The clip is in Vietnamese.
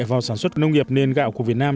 vào sản xuất nông nghiệp nền gạo của việt nam